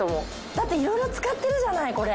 だって色々使ってるじゃないこれ。